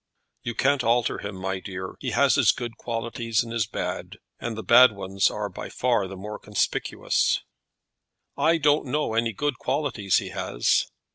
"You can't alter him, my dear. He has his good qualities and his bad, and the bad ones are by far the more conspicuous." "I don't know any good qualities he has."